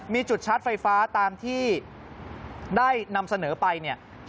มีจุดชาร์จไฟฟ้าตามที่ได้นำเสนอไปเนี่ย